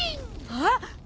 あっ！